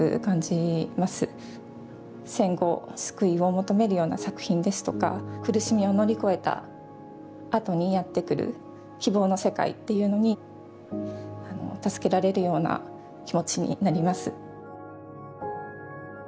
戦後救いを求めるような作品ですとか苦しみを乗り越えたあとにやってくる希望の世界っていうのに助けられるような気持ちになります。